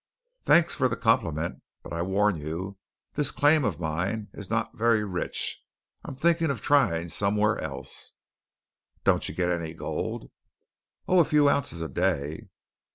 "Thanks for the compliment; but I warn you, this claim of mine is not very rich. I'm thinking of trying somewhere else." "Don't you get any gold?" "Oh, a few ounces a day."